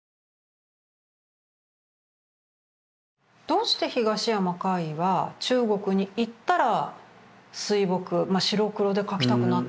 どうして東山魁夷は中国に行ったら水墨白黒で描きたくなったんでしょうね？